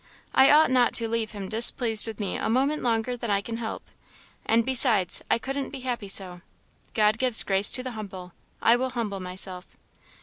I ought not to leave him displeased with me a moment longer than I can help. And besides, I couldn't be happy so. God gives grace to the humble; I will humble myself."